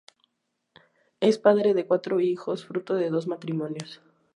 Es padre de cuatro hijos, fruto de dos matrimonios.